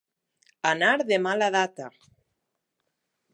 Anar de mala data.